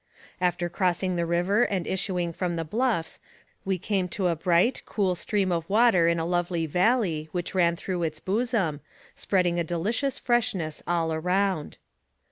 After crossing the river and issuing from the bluffs we came to a bright, cool stream of water in a lovely valley, which ran through its bosom, spreading a de licious freshness all around.